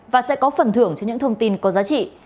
và sẽ có phần thưởng cho những thông tin có giá trị